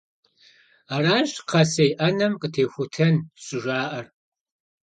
Аращ «кхъэсей Ӏэнэм къытехутэн» щӀыжаӀэр.